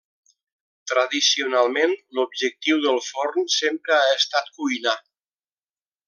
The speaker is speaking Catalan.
Tradicionalment, l'objectiu del forn sempre ha estat cuinar.